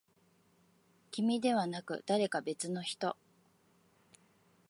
君ではなく、誰か別の人。